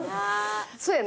そうやな。